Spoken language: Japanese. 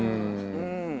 うん。